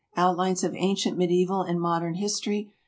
"Outlines of Ancient, Medieval and Modern History."